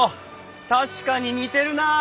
確かに似てるなあ。